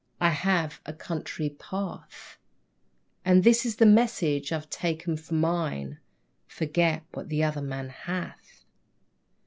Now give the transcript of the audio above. I have a country path; And this is the message I've taken for mine: "Forget what the other man hath."